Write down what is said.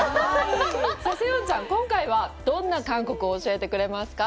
セヨンちゃん、今回はどんな韓国を教えてくれますか？